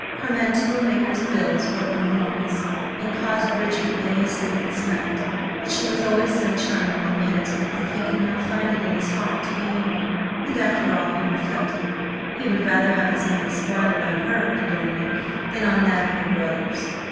Her mantua maker's bills were enormous, and caused Richard many a sleepless night, but she was always so charmingly penitent that he could not find it in his heart to be angry; and, after all, he reflected, he would rather have his money squandered on her adornment than on that of her brothers.